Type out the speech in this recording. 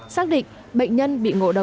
xác định bệnh nhân bị ngộ độc